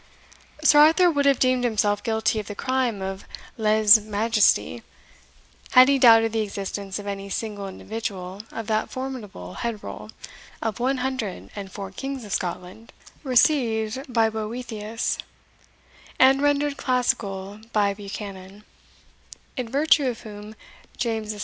Sir Arthur would have deemed himself guilty of the crime of leze majesty had he doubted the existence of any single individual of that formidable head roll of one hundred and four kings of Scotland, received by Boethius, and rendered classical by Buchanan, in virtue of whom James VI.